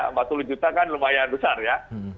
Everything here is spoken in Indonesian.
empat puluh juta kan lumayan besar ya